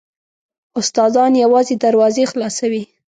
استادان یوازې دروازې خلاصوي .